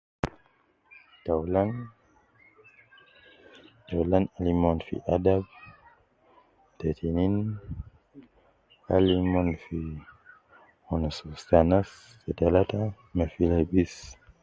Ta aulan te aulan limon fi adab, te tinein alim umon fi wonus fu ustu anas, te talata me fi lebis.